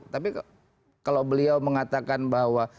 tapi kalau beliau mengatakan bahwa